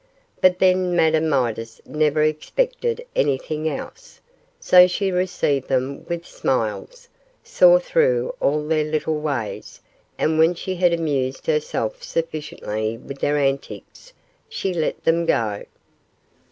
But then Madame Midas never expected anything else, so she received them with smiles, saw through all their little ways, and when she had amused herself sufficiently with their antics, she let them go.